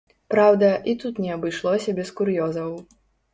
Праўда, і тут не абышлося без кур'ёзаў.